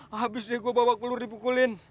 habis deh gue bawa pelur dibukulin